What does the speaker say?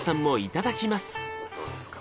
どうですか？